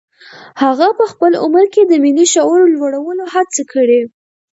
هغه په خپل عمر کې د ملي شعور لوړولو هڅې کړي.